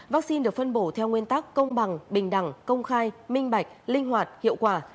vaccine được phân bổ theo nguyên tắc công bằng bình đẳng công khai minh bạch linh hoạt hiệu quả